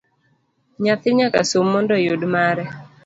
Nyathi nyaka som mondo oyud mare